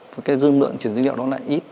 và dương lượng truyền dữ liệu nó lại ít